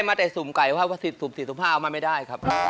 เอาแต่ซุ่มสี่ซุ่มห้ามาไม่ได้